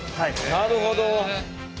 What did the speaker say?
なるほど。